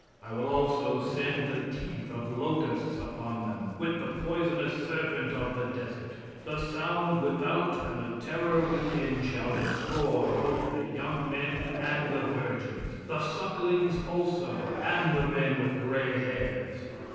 I will also send the teeth of locusts upon them, with the poisonous serpent of the desert. The sound without and the terror within, shall destroy both the young men and the virgins, the sucklings also, and the men with gray hairs."